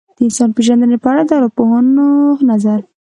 د انسان پېژندنې په اړه د ارواپوهانو نظر.